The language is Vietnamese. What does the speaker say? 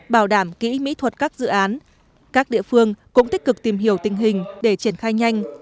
bảo đảm kỹ mỹ thuật các dự án các địa phương cũng tích cực tìm hiểu tình hình để triển khai nhanh